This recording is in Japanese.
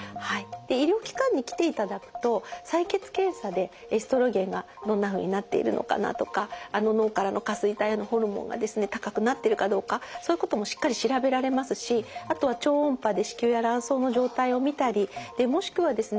医療機関に来ていただくと採血検査でエストロゲンがどんなふうになっているのかなとかあの脳からの下垂体のホルモンがですね高くなってるかどうかそういうこともしっかり調べられますしあとは超音波で子宮や卵巣の状態を見たりもしくはですね